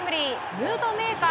ムードメーカー